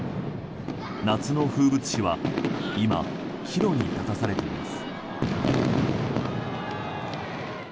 夏の風物詩は今、岐路に立たされています。